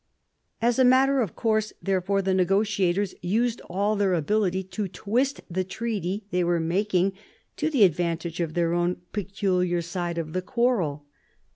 As a matter of course, there fore, the negotiators used all their ability to twist the treaty they were making to the advantage of their own peculiar side of the quarrel.